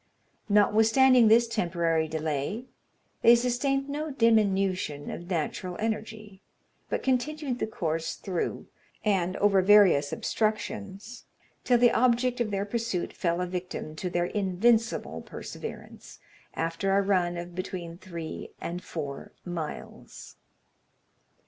Notwithstanding this temporary delay, they sustained no diminution of natural energy, but continued the course through and over various obstructions, till the object of their pursuit fell a victim to their invincible perseverance, after a run of between three and four miles.